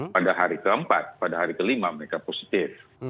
pada hari keempat pada hari kelima mereka positif